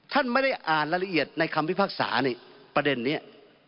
ท่านไม่ได้อ่านละเอียดในคำพิพากษานี่ประเด็นนี้